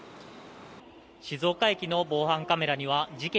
静岡駅の防犯カメラには事件